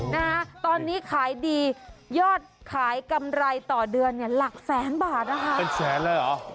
นะฮะตอนนี้ขายดียอดขายกำไรต่อเดือนเนี่ยหลักแสนบาทตัวมันนะคะ